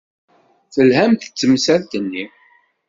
Telham-d s temsalt-nni.